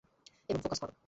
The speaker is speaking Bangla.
এবং ফোকাস কর।